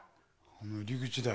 あの入り口だよ。